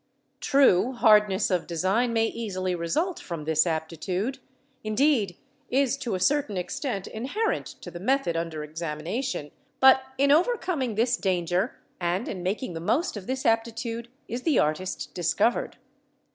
True, hardness of design may easily result from this aptitude, indeed is to a certain extent inherent to the method under examination, but in overcoming this danger and in making the most of this aptitude is the artist discovered.